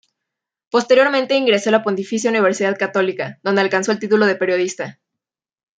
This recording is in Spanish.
Posteriormente ingresó a la Pontificia Universidad Católica, donde alcanzó el título de periodista.